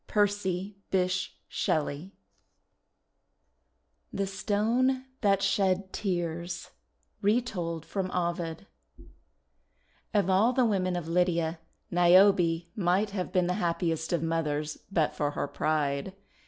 PERCY BYSSHE SHELLEY THE STONE THAT SHED TEARS Retold from Ovid OF all the women of Lydia, Niobe might have been the happiest of mothers but for her pride.